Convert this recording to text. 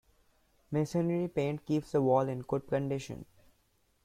Masonry paint keeps the walls in good condition.